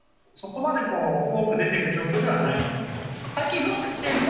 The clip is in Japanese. そこまで多く出ている状況ではないんですね。